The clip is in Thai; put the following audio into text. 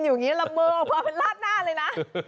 สามสิบบอโอเคไหม